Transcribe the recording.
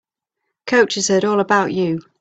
Coach has heard all about you.